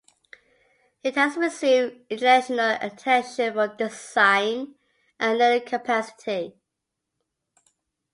It has received international attention for design and learning capacity.